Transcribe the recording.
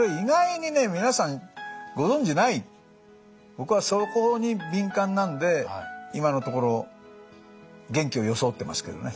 僕はそこに敏感なんで今のところ元気を装ってますけどね。